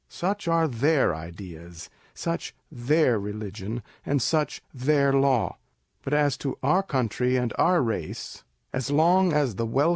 "Such are their ideas; such their religion, and such their law. But as to our country and our race, as long as On the Prose Style of Poets.